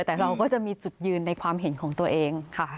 แต่เราก็จะมีจุดยืนในความเห็นของตัวเองค่ะ